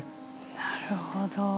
なるほど。